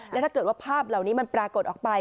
และถ้าเกิดว่าภาพเหล่านี้มันปรากฏออกไป